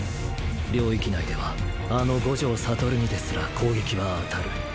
領域内ではあの五条悟にですら攻撃は当たる。